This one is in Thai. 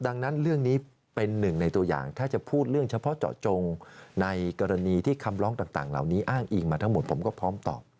ดังนั้นเรื่องนี้เป็นหนึ่งในตัวอย่างถ้าจะพูดเรื่องเฉพาะเจาะจงในกรณีที่คำร้องต่างเหล่านี้อ้างอิงมาทั้งหมดผมก็พร้อมตอบ